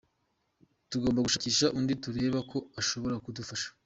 Tugomba gushakisha undi turebe ko ashobora kudufasha”.